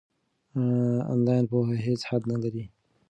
آنلاین پوهه هیڅ حد نلري.